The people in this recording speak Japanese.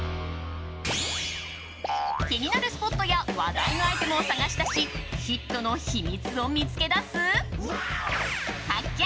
気になるスポットや話題のアイテムを探し出しヒットの秘密を見つけ出す発見！